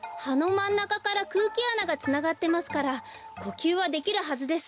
まんなかからくうきあながつながってますからこきゅうはできるはずです。